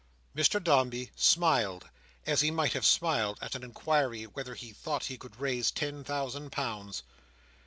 Mr Dombey smiled, as he might have smiled at an inquiry whether he thought he could raise ten thousand pounds.